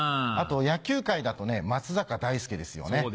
あと野球界だと松坂大輔ですよね。